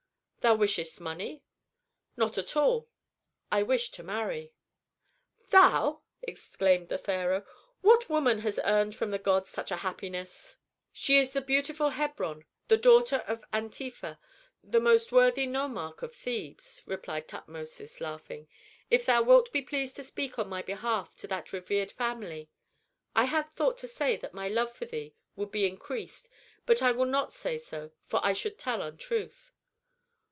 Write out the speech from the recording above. "Thou wishest money?" "Not at all. I wish to marry." "Thou!" exclaimed the pharaoh. "What woman has earned from the gods such a happiness?" "She is the beautiful Hebron, the daughter of Antefa, the most worthy nomarch of Thebes," replied Tutmosis, laughing. "If thou wilt be pleased to speak on my behalf to that revered family I had thought to say that my love for thee would be increased, but I will not say so, for I should tell untruth."